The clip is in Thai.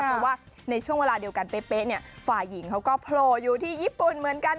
เพราะว่าในช่วงเวลาเดียวกันเป๊ะเนี่ยฝ่ายหญิงเขาก็โผล่อยู่ที่ญี่ปุ่นเหมือนกัน